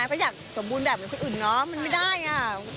เพราะอยากสมบูรณ์แบบคนอื่นเนอะมันไม่ได้อ่ะ